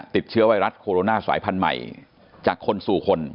ติดเชื้อไวรัสโคโรนาสายพันธุ์ใหม่จากคนสู่คน